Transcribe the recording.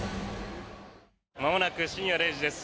まもなく深夜０時です。